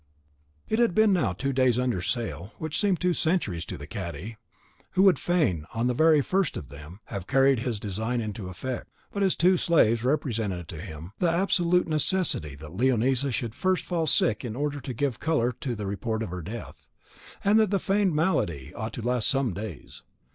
It had been now two days under sail, which seemed two centuries to the cadi, who would fain, on the very first of them, have carried his design into effect. But his two slaves represented to him the absolute necessity that Leonisa should first fall sick in order to give colour to the report of her death, and that the feigned malady ought to last some days.